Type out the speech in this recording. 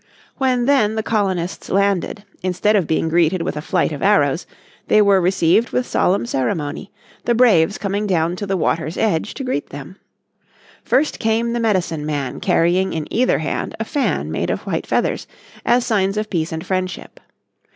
When then the colonists landed, instead of being greeted with a flight of arrows they were received with solemn ceremony, the braves coming down to the water's edge to greet them. First came the Medicine Man carrying in either hand a fan made of white feathers as signs of peace and friendship.